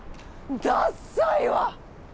ダッサいわ。